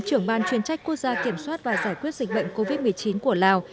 trưởng ban chuyên trách quốc gia kiểm soát và giải quyết dịch bệnh covid một mươi chín của lào